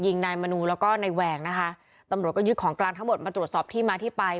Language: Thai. นายมนูแล้วก็นายแหวงนะคะตำรวจก็ยึดของกลางทั้งหมดมาตรวจสอบที่มาที่ไป